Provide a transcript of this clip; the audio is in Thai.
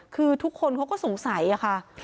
คือทุกคนเขาก็สงสัยค่ะ